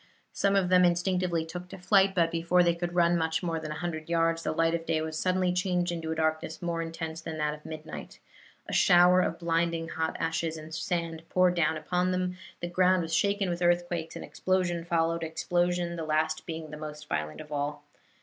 Some of them instinctively took to flight, but before they could run much more than a hundred yards the light of day was suddenly changed into a darkness more intense than that of midnight; a shower of blinding hot ashes and sand poured down upon them; the ground was shaken with earthquakes, and explosion followed explosion, the last being the most violent of all.